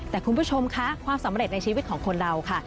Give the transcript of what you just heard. แต่คุณผู้ชมค่ะความสำเร็จในชีวิตของคนเราค่ะ